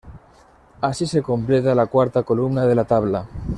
Así se completa la cuarta columna de la tabla.